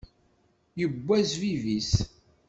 Iwwa zzbib-is.